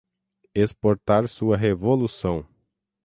exportar sua Revolução